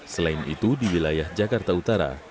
selain itu di wilayah jakarta utara